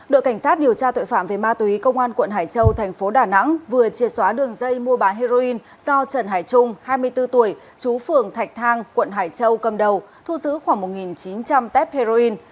đội cảnh sát điều tra tội phạm về ma túy công an quận hải châu thành phố đà nẵng vừa triệt xóa đường dây mua bán heroin do trần hải trung hai mươi bốn tuổi chú phường thạch thang quận hải châu cầm đầu thu giữ khoảng một chín trăm linh test heroin